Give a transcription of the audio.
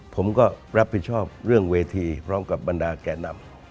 ผมก็รับผิดชอบเรื่องเวทีพร้อมกับบรรดาแก่นำ